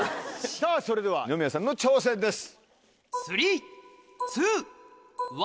さぁそれでは二宮さんの挑戦です。